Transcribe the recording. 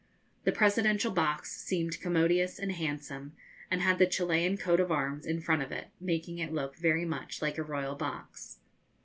The Presidential box seemed commodious and handsome, and had the Chilian coat of arms in front of it, making it look very much like a Royal box.